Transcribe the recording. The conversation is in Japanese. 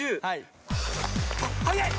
はい。